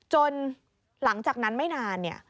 หลังจากนั้นไม่นาน